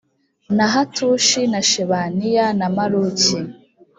na hatushi na shebaniya na maluki